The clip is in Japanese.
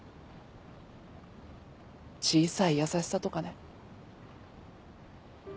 小さい優しさとかね。